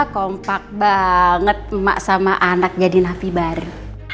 kompak banget emak sama anak jadi nabi baru